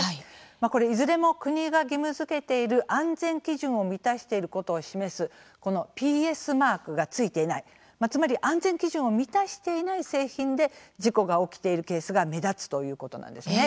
これ、いずれも国が義務づけている安全基準を満たしていることを示すこのＰＳマークが付いていないつまり安全基準を満たしていない製品で事故が起きているケースが目立つということなんですね。